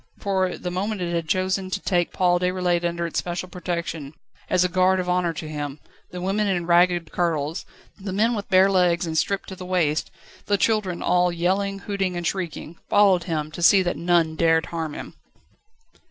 For the moment it had chosen to take Paul Déroulède under its special protection, and as a guard of honour to him the women in ragged kirtles, the men with bare legs and stripped to the waist, the children all yelling, hooting, and shrieking followed him, to see that none dared harm him.